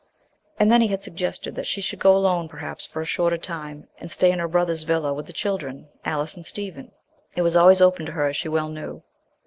And then he had suggested that she should go alone perhaps for a shorter time, and stay in her brother's villa with the children, Alice and Stephen. It was always open to her as she well knew.